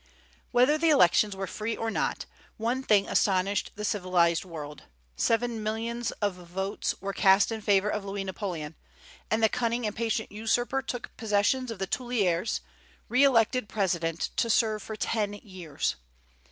Whether the elections were free or not, one thing astonished the civilized world, seven millions of votes were cast in favor of Louis Napoleon; and the cunning and patient usurper took possession of the Tuileries, re elected President to serve for ten years.